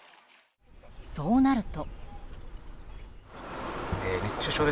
そうなると。